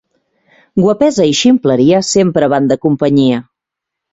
Guapesa i ximpleria sempre van de companyia.